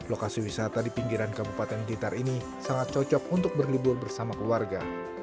lokasi wisata di pinggiran kabupaten blitar ini sangat cocok untuk berlibur bersama keluarga